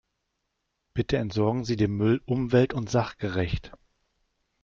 Bitte entsorgen Sie den Müll umwelt- und sachgerecht.